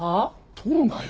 取るなよ。